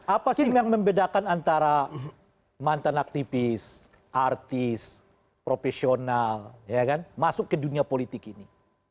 apa sih yang membedakan antara mantan aktivis artis profesional masuk ke dunia politik ini